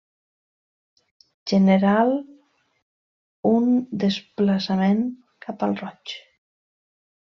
General un desplaçament cap al roig.